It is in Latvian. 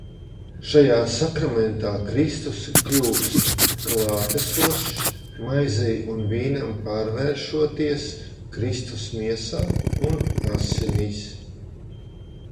Šajā sakramentā Kristus kļūst klātesošs, maizei un vīnam pārvēršoties Kristus Miesā un Asinīs.